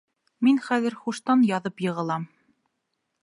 Мин хәҙер һуштан яҙып йығылам...